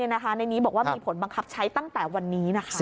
ในนี้บอกว่ามีผลบังคับใช้ตั้งแต่วันนี้นะคะ